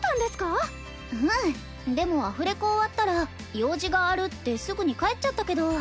でもアフレコ終わったら用事があるってすぐに帰っちゃったけど。